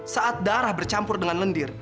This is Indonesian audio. saat darah bercampur dengan lendir